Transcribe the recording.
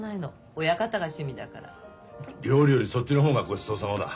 料理よりそっちの方がごちそうさまだ。